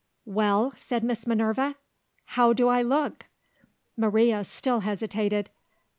"Well?" said Miss Minerva. "How do I look?" Maria still hesitated.